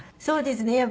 そうですね。